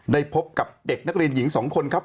พบกับเด็กนักเรียนหญิง๒คนครับ